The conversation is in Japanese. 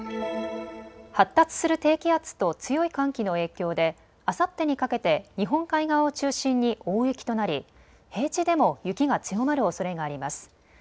発達する低気圧と強い寒気の影響であさってにかけて日本海側を中心に大雪となり平地でも雪が強まるおそれがあります。